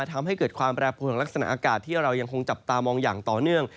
ทำให้เกิดความแปรผลของลักษณะอากาศที่เรายังคงจับตามองอย่างต่อเนื่อง